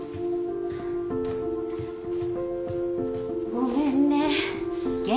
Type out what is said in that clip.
ごめんね。